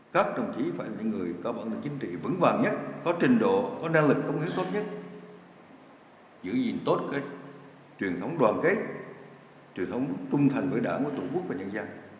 các đồng chí phải là những người có bản lĩnh chính trị vững vàng nhất có trình độ có năng lực công hiến tốt nhất giữ gìn tốt cái truyền thống đoàn kết truyền thống trung thành với đảng của tổ quốc và nhân dân